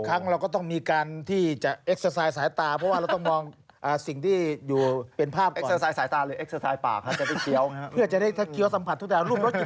มันลอดตาลอดใจมายั่วน้ำลายแต่เช้า